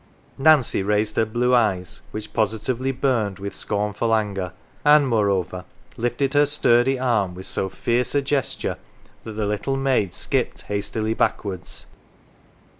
Nancy raised her blue eyes, which positively burned with scornful anger, and, moreover, lifted her sturdy arm with so fierce a gesture that the little maid skipped hastily backwards.